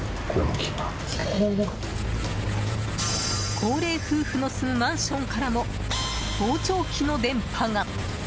高齢夫婦の住むマンションからも盗聴器の電波が。